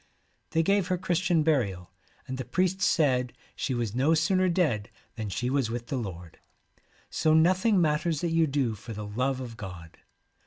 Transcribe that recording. They gave her Christian burial, and the priest said she was no sooner dead than she was with the Lord. So nothing matters that you do for the love of God.'